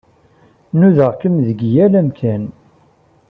Nudaɣ-kem deg yal amkan.